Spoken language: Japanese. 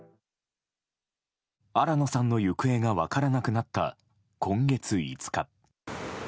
新野さんの行方が分からなくなった今月５日。